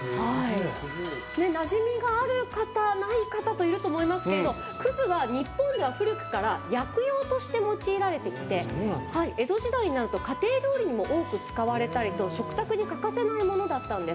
なじみがある方、ない方といると思いますけど葛は日本では古くから薬用として用いられてきて江戸時代になると家庭料理にも多く使われたりと食卓に欠かせないものだったんです。